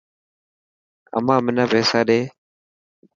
امان منا پيسا ڏي.